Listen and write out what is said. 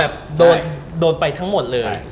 มันก็เลยแบบโดนไปทั้งหมดเลย